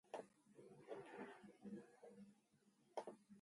こっちを立てれば向こうが立たぬ千番に一番の兼合い